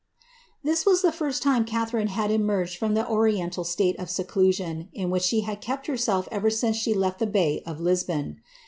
'' This was the first time Catharine had emerged from the oriental state of teclosion in which she had kept herself ever since she left the bay of Lisbon.